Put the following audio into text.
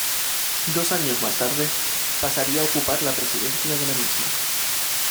Dos años más tarde pasaría a ocupar la presidencia de la misma.